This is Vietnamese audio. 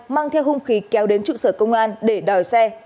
mang theo hung khí kéo đến trụ sở công an để đòi xe